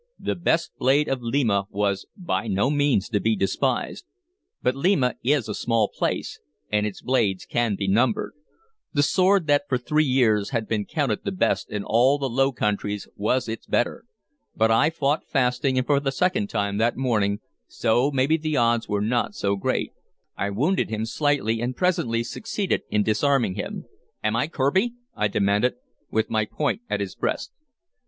The best blade of Lima was by no means to be despised; but Lima is a small place, and its blades can be numbered. The sword that for three years had been counted the best in all the Low Countries was its better. But I fought fasting and for the second time that morning, so maybe the odds were not so great. I wounded him slightly, and presently succeeded in disarming him. "Am I Kirby?" I demanded, with my point at his breast.